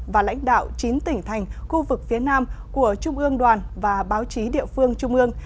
và lãnh đạo chín tỉnh thành khu vực phía nam của trung ương đoàn và báo chí địa phương trung ương